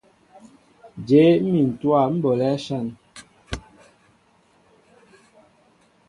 Jě mmin ntówa ḿ bolɛέ áshȃn ?